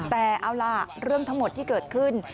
แต่เอาล่ะเรื่องทั้งหมดที่เกิดขึ้น